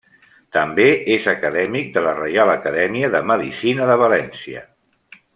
També és acadèmic de la Reial Acadèmia de Medicina de València.